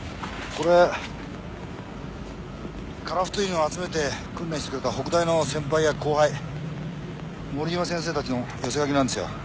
これ樺太犬を集めて訓練してくれた北大の先輩や後輩森岩先生たちの寄せ書きなんですよ